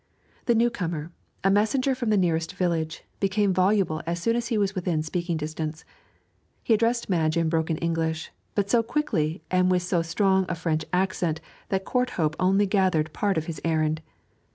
The new comer, a messenger from the nearest village, became voluble as soon as he was within speaking distance. He addressed Madge in broken English, but so quickly and with so strong a French accent that Courthope only gathered part of his errand.